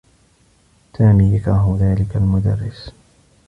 سامي يكره ذلك المدرّس.